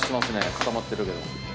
固まってるけど。